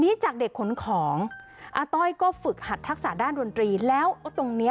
จากเด็กขนของอาต้อยก็ฝึกหัดทักษะด้านดนตรีแล้วตรงเนี้ย